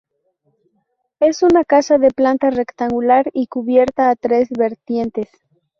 Es una casa de planta rectangular y cubierta a tres vertientes.